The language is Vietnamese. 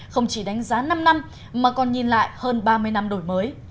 không chỉ đánh giá năm năm mà còn nhìn lại hơn ba mươi năm đổi mới